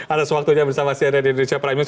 atas waktunya bersama syahrul di indonesia prime news